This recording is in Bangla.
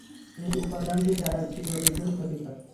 এই উপাদানটি ডায়াবেটিক রোগীর জন্য ক্ষতিকর।